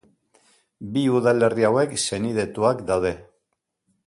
Bi udalerri hauek senidetuak daude.